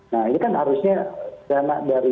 nah ini kan harusnya dana dari